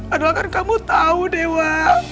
adalah kan kamu tahu dewa